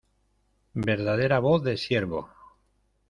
verdadera voz de siervo.